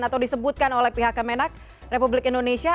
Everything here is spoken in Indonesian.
atau disebutkan oleh pihak kemenak republik indonesia